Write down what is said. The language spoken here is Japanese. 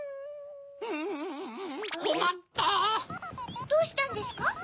・うんこまった・どうしたんですか？